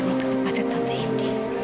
jangan pasti mau tutup baca tante indi